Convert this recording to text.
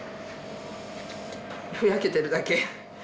ふやけてるだけ。